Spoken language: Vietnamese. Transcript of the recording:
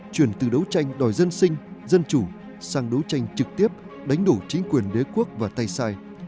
chuyển từ đấu tranh đòi dân sinh dân chủ sang đấu tranh trực tiếp đánh đổ chính quyền đế quốc và tay sai